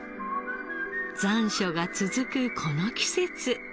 残暑が続くこの季節